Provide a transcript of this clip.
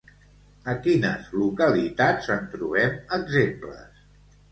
A quines localitats en trobem exemples?